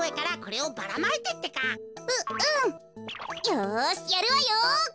よしやるわよ。